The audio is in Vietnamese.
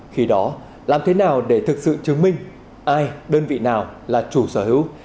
khi đó làm thế nào để thực sự chứng minh ai đơn vị nào là chủ sở hữu